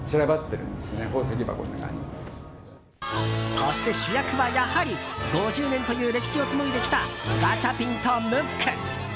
そして主役はやはり５０年という歴史を紡いできたガチャピンとムック。